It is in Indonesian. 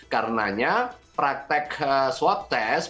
karenanya praktek swab test